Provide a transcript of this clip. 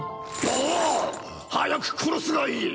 お早く殺すがいい！